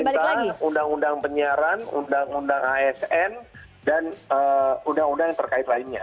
tentang undang undang penyiaran undang undang asn dan undang undang yang terkait lainnya